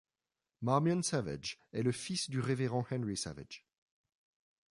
Marmion Savage est le fils du révérend Henry Savage.